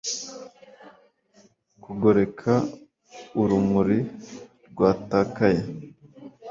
Kugoreka urumuri rwatakaye